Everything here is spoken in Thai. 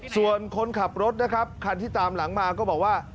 ส่วนคนขับรถนะครับคันที่ตามหลังมาก็บอกว่า